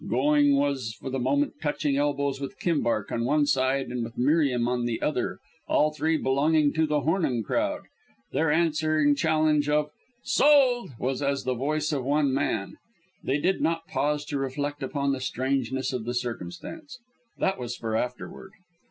Going was for the moment touching elbows with Kimbark on one side and with Merriam on the other, all three belonging to the "Hornung crowd." Their answering challenge of "Sold" was as the voice of one man. They did not pause to reflect upon the strangeness of the circumstance. (That was for afterward.)